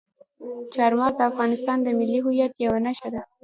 چار مغز د افغانستان د ملي هویت یوه نښه ده.